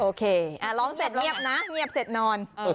โอเคร้องเสร็จเงียบนะเงียบเสร็จนอน